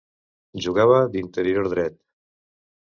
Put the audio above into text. Jugava d'interior dret.